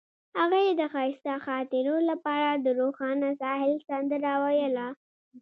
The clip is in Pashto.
هغې د ښایسته خاطرو لپاره د روښانه ساحل سندره ویله.